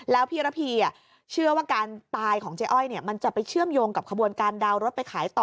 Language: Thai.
แล้วพี่ระพีเชื่อว่าการตายของเจ๊อ้อยมันจะไปเชื่อมโยงกับขบวนการดาวน์รถไปขายต่อ